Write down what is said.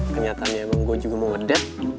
kenyataan emang gue juga mau ngedat